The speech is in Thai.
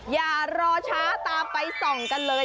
อย่ารอช้าตามไปส่องกันเลย